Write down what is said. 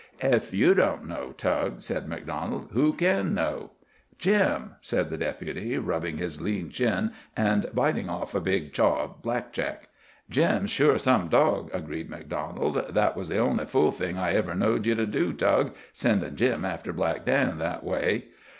"Ef you don't know, Tug," said MacDonald, "who kin know?" "Jim!" said the Deputy, rubbing his lean chin and biting off a big "chaw" of "blackjack." "Jim's sure some dawg," agreed MacDonald. "That was the only fool thing I ever know'd ye to do, Tug—sendin' Jim after Black Dan that way."